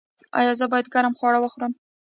ایا زه باید ګرم خواړه وخورم؟